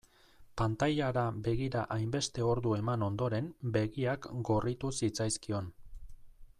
Pantailara begira hainbeste ordu eman ondoren begiak gorritu zitzaizkion.